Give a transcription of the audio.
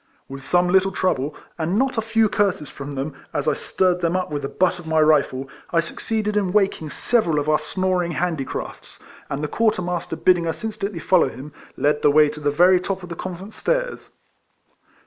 With some little trouble, and not a few curses from them, as I stirred them up with the butt of my rifle, I succeeded in waking several of our snoring handicrafts ; and the quarter muster bidding us instantly follow RIFLEMAN HARRIS. 157 him, led the way to the very top of the convent stairs.